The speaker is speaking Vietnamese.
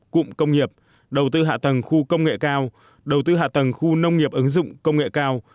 cụm công nghiệp đầu tư hạ tầng khu công nghệ cao đầu tư hạ tầng khu nông nghiệp ứng dụng công nghệ cao